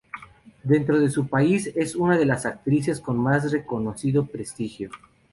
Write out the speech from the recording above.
Dentro de su país es una de las actrices con más reconocido prestigio.